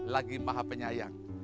lagi maha penyayang